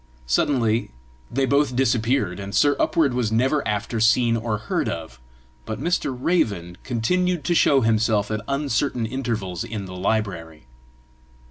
Suddenly they both disappeared, and Sir Upward was never after seen or heard of, but Mr. Raven continued to show himself at uncertain intervals in the library.